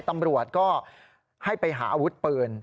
ตำรวจก็ให้ไปหาอาวุธปืน